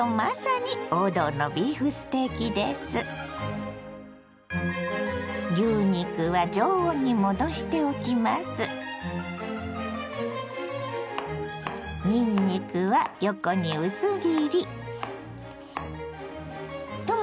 にんにくは横に薄切り。